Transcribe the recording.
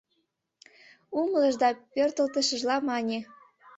Умылыш да пӧртылтышыжла мане: